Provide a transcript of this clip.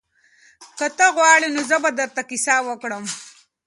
که ته غواړې نو زه به درته کیسه وکړم.